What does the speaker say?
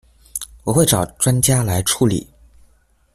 我会找专家来处理